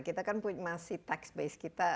kita kan masih tax base kita